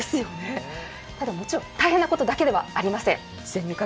ただもちろん大変なことだけではありません。